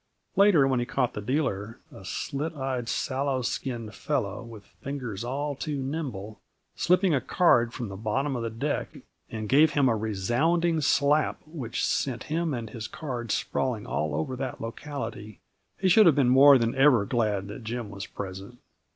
Later, when he caught the dealer, a slit eyed, sallow skinned fellow with fingers all too nimble, slipping a card from the bottom of the deck, and gave him a resounding slap which sent him and his cards sprawling all over that locality, he should have been more than ever glad that Jim was present.